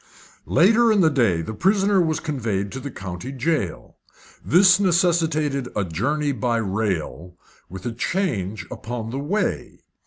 Later in the day the prisoner was conveyed to the county jail. This necessitated a journey by rail, with a change upon the way.